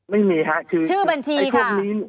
ไม่มีค่ะชื่อบัญชีคนนี้